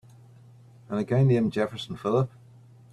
And a guy named Jefferson Phillip.